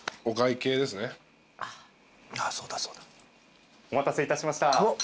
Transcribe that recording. お待たせいたしました。